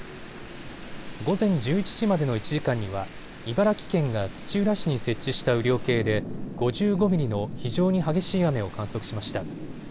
午前１１までの１時間には茨城県が土浦市に設置した雨量計で５５ミリの非常に激しい雨を観測しました。